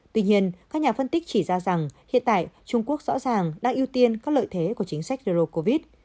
tuy nhiên các nhà phân tích chỉ ra rằng hiện tại trung quốc rõ ràng đang ưu tiên các lợi thế của chính sách rero covid